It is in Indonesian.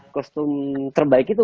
kostum terbaik itu